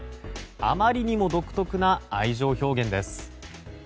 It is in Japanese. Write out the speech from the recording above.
あまりにも独特な愛情表現です。